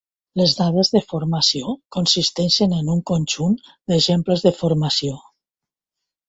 Les dades de formació consisteixen en un conjunt d'"exemples de formació".